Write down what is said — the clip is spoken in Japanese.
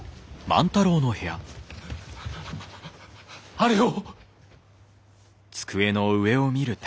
あれを！